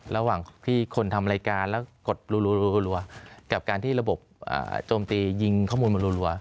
ระหว่างที่คนทำรายการแล้วกดรัวกับการที่ระบบโจมตียิงข้อมูลมารัว